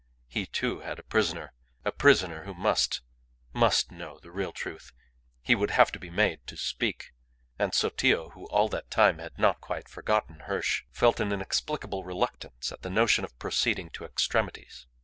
He too, had a prisoner. A prisoner who must, must know the real truth. He would have to be made to speak. And Sotillo, who all that time had not quite forgotten Hirsch, felt an inexplicable reluctance at the notion of proceeding to extremities.